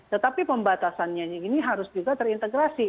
tetapi pembatasannya ini harus juga terintegrasi